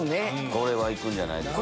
これはいくんじゃないですか。